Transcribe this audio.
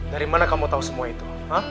dari mana kamu tahu semua itu